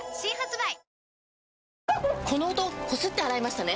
この音こすって洗いましたね？